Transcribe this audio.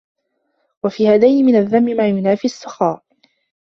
وَفِي هَذَيْنِ مِنْ الذَّمِّ مَا يُنَافِي السَّخَاءَ